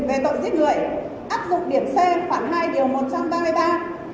về tội giết người áp dụng điểm c khoảng hai điều một trăm ba mươi ba